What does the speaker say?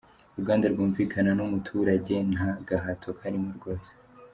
Uruganda rwumvikana n’umuturage nta gahato karimo rwose.